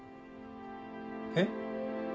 えっ？